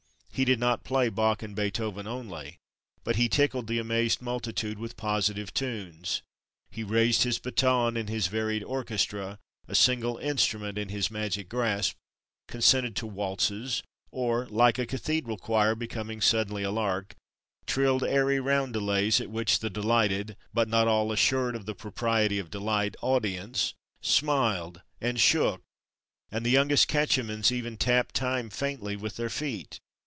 He did not play Bach and Beethoven only, but he tickled the amazed multitude with positive tunes. He raised his baton, and his varied orchestra, a single instrument in his magic grasp, consented to waltzes; or, like a cathedral choir becoming suddenly a lark, trilled airy roundelays, at which the delighted (but not all assured of the propriety of delight) audience smiled and shook, and the youngest catechumens even tapped time faintly with their feet!